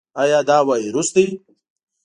ایا دا وایروس دی؟